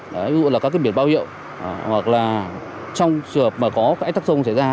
ví dụ là các biển báo hiệu hoặc là trong trường hợp mà có ánh tắc sông xảy ra